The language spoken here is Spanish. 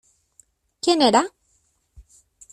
¿ quién era?